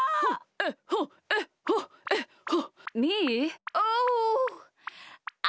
えっほえっほえっほ。